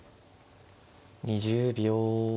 ２０秒。